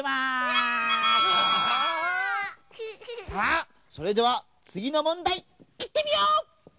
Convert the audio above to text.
さあそれではつぎのもんだいいってみよう！